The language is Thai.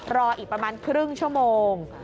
รออีกประมาณครึ่งชั่วโมง